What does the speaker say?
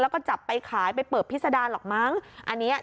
แล้วก็จับไปขายไปเปิบพิษดารหรอกมั้งอันนี้